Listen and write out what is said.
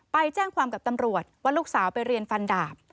ไปแจ้งความกับตำรวจว่าลูกสาวไปเรียนฟันดาบ